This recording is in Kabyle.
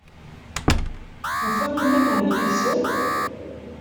Tufam iman-nwen yid-sen?